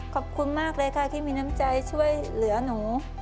ขอบคุณมากเลยค่ะที่มีน้ำใจช่วยเหลือหนู